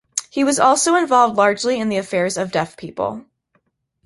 He was also involved largely in the affairs of deaf people.